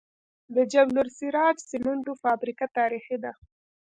د جبل السراج سمنټو فابریکه تاریخي ده